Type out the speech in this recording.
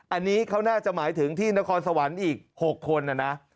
อันนี้เขาน่าจะหมายถึงที่นครสวรรค์อีก๖คนนะนะ